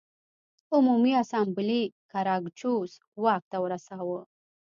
عمومي اسامبلې ګراکچوس واک ته ورساوه